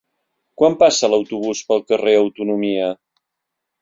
Quan passa l'autobús pel carrer Autonomia?